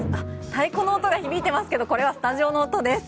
太鼓の音が響いていますがこれはスタジオの音です。